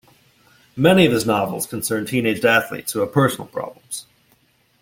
Many of his novels concern teenaged athletes who have personal problems.